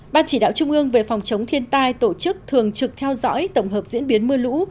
ban chỉ đạo trung ương về phòng chống thiên tai tổ chức thường trực theo dõi tổng hợp diễn biến mưa lũ